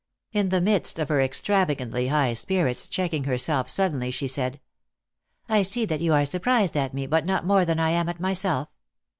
In the midst of her ex travagantly high spirits, checking herself suddenly, she said :" I see that you are surprised at me, but not more than I am at myself.